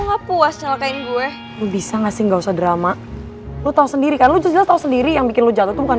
gak puas ny division denominasi enggak usah drama for sendiri naszymu saja tau sendiri yang muda lebih hai kalaujutan